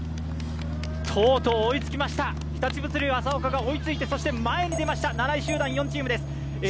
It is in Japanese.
とうとう追いつきました、日立物流・浅岡が追いついてそして前に出ました、７位集団４チームです。